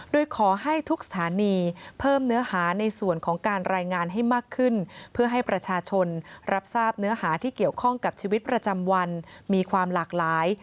โดยขอให้ทุกสถานีเพิ่มเนื้อหาในส่วนของการรายงานให้มากขึ้นเพื่อให้ประชาชนรับทราบเนื้อหาที่เกี่ยวข้องกับชีวิตประจำวันมีความหลากหลาย